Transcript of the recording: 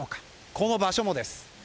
この場所もです。